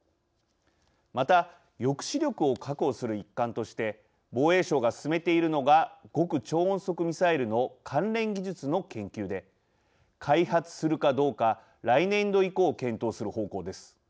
また、抑止力を確保する一環として防衛省が進めているのが極超音速ミサイルの関連技術の研究で開発するかどうか来年度以降、検討する方向です。